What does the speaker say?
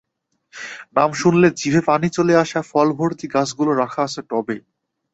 নাম শুনলে জিভে পানি চলে আসা ফলভর্তি গাছগুলো রাখা আছে টবে।